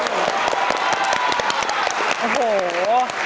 โอ้โห